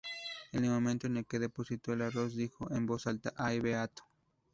En el momento en que depositó el arroz dijo en voz alta ""¡Ay, beato!